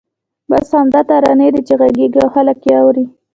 بس همدا ترانې دي چې غږېږي او خلک یې اوري.